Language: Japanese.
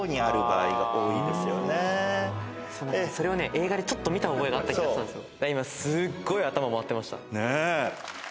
映画でちょっと見た覚えがあった気がしたんですよ。